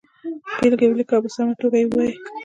بېلګه یې ولیکئ او په سمه توګه یې ووایئ.